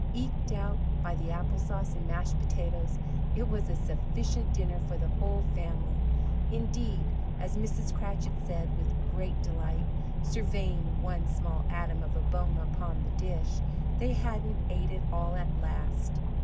Eked out by apple sauce and mashed potatoes, it was a sufficient dinner for the whole family; indeed, as Mrs. Cratchit said with great delight (surveying one small atom of a bone upon the dish), they hadn't ate it all at last!